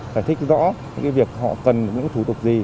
phải thích rõ những việc họ cần những thủ tục